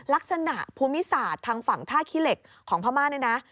ลักษณะภูมิศาสตร์ทางฝั่งท่าขี้เหล็กของพม่าเนี่ยนะ